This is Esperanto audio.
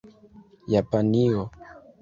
Japanio